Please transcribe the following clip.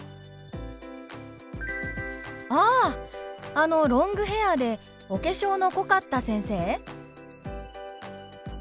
「ああのロングヘアーでお化粧の濃かった先生？」。